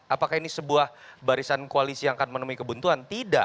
apakah ini sebuah barisan koalisi yang akan menemui kebuntuan tidak